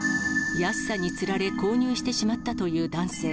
安さにつられ購入してしまったという男性。